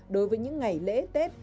đối với những ngày lễ tết